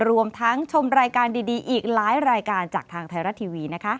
รวมทั้งชมรายการดีอีกหลายรายการจากทางไทยรัฐทีวี